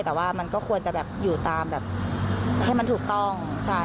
แต่ว่ามันก็ควรจะแบบอยู่ตามแบบให้มันถูกต้องใช่